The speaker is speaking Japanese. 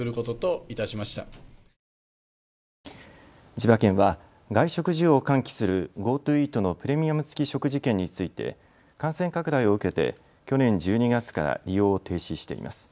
千葉県は外食需要を喚起するＧｏＴｏイートのプレミアム付き食事券について感染拡大を受けて去年１２月から利用を停止しています。